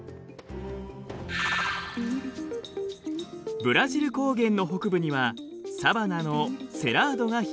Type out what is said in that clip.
ブラジル高原の北部にはサバナのセラードが広がります。